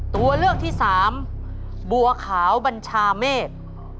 ตัวเลือกที่สามบัวขาวบัญชาเมฆ